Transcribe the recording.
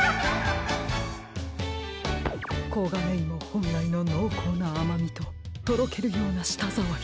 こがねいもほんらいののうこうなあまみととろけるようなしたざわり。